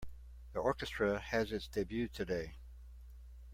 The orchestra has its debut today.